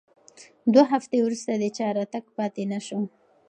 دوه هفتې وروسته د چا راتګ پاتې نه شو.